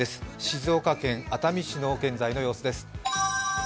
静岡県熱海市の現在の様子です。